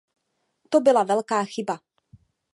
To byla velká chyba.